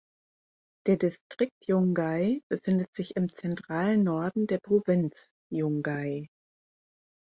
Der Distrikt Yungay befindet sich im zentralen Norden der Provinz Yungay.